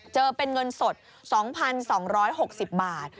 เจอเป็นเงินสด๒๒๖๐บาท